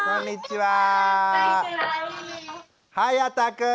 はやたくん。